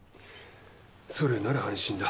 それなら安心だ。